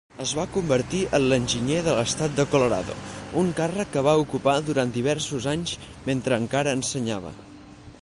Es va convertir en l'enginyer de l'estat de Colorado, un càrrec que va ocupar durant diversos anys mentre encara ensenyava.